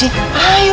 tidak saya takut